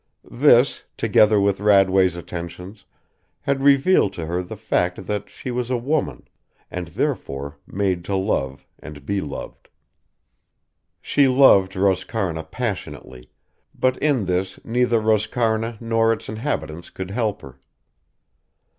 This, together with Radway's attentions, had revealed to her the fact that she was a woman, and therefore made to love and be loved. She loved Roscarna passionately, but in this neither Roscarna nor its inhabitants could help her.